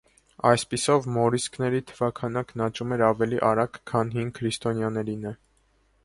Այսպիսով մորիսկների թվաքանակն աճում էր ավելի արագ, քան «հին քրիստոնյաներինը»։